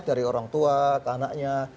dari orang tua anaknya